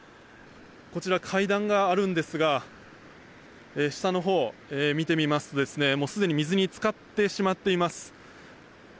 こちら、階段があるんですが下のほうを見てみますとすでに水に浸かってしまっています。